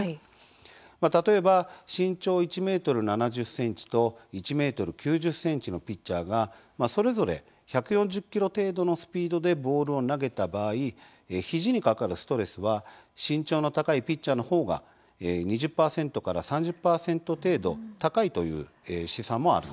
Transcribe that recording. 例えば、身長１ｍ７０ｃｍと１ｍ９０ｃｍのピッチャーがそれぞれ１４０キロ程度のスピードでボールを投げた場合肘にかかるストレスは身長の高いピッチャーのほうが２０％から３０％程度高いという試算もあるんです。